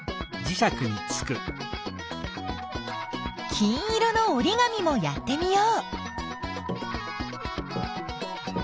金色のおりがみもやってみよう。